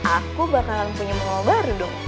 aku bakalan punya monggar dong